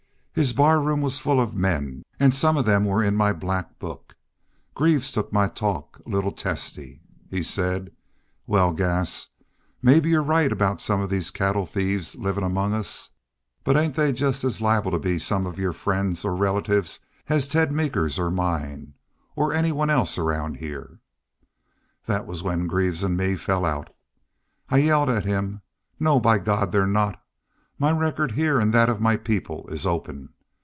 His barroom was full of men an' some of them were in my black book. Greaves took my talk a little testy. He said. 'Wal, Gass, mebbe you're right aboot some of these cattle thieves livin' among us, but ain't they jest as liable to be some of your friends or relatives as Ted Meeker's or mine or any one around heah?' That was where Greaves an' me fell out. I yelled at him: 'No, by God, they're not! My record heah an' that of my people is open.